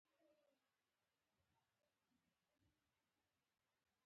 واده کړي دي.